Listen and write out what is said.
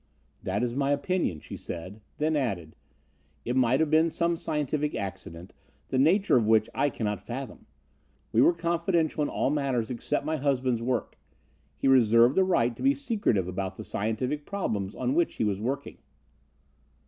"That is my opinion," she said, then added: "It might have been some scientific accident, the nature of which I cannot fathom. We were confidential in all matters except my husband's work. He reserved the right to be secretive about the scientific problems on which he was working."